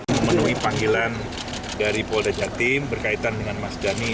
memenuhi panggilan dari polda jatim berkaitan dengan mas dhani